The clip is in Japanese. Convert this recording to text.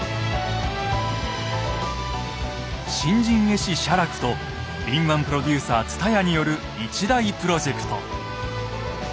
新人絵師・写楽と敏腕プロデューサー蔦屋による一大プロジェクト。